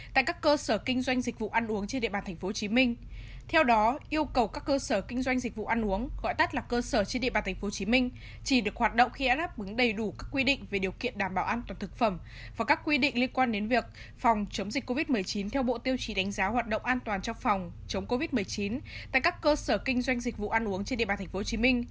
tại các cơ sở kinh doanh dịch vụ ăn uống trên địa bàn tp hcm theo đó yêu cầu các cơ sở kinh doanh dịch vụ ăn uống gọi tắt là cơ sở trên địa bàn tp hcm chỉ được hoạt động khi đã đáp ứng đầy đủ các quy định về điều kiện đảm bảo an toàn thực phẩm và các quy định liên quan đến việc phòng chống dịch covid một mươi chín theo bộ tiêu chí đánh giá hoạt động an toàn trong phòng chống covid một mươi chín tại các cơ sở kinh doanh dịch vụ ăn uống trên địa bàn tp hcm